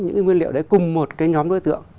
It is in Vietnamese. những nguyên liệu đấy cùng một nhóm đối tượng